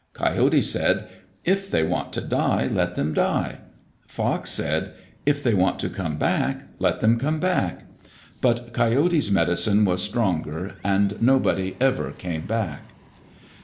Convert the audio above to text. Coyote said, "If they want to die, let them die." Fox said, "If they want to come back, let them come back." But Coyote's medicine was stronger, and nobody ever came back.